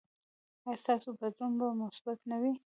ایا ستاسو بدلون به مثبت نه وي؟